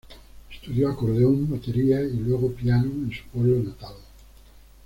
Estudió acordeón, batería y luego piano, en su pueblo natal.